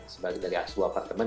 sebagai dari asuh apartemen